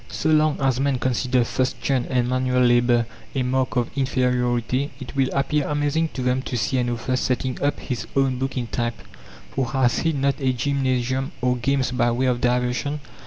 So long as men consider fustian and manual labour a mark of inferiority, it will appear amazing to them to see an author setting up his own book in type, for has he not a gymnasium or games by way of diversion?